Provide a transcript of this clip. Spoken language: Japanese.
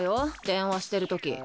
電話してるとき。